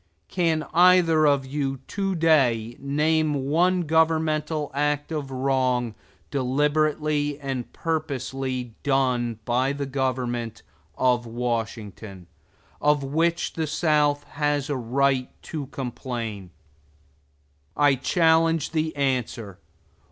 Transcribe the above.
Can either of you to day name one governmental act of wrong, deliberately and purposely done by the government of Washington, of which the South has a right to complain? I challenge the answer.